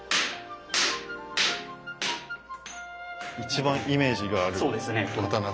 一番イメージがある刀つくる。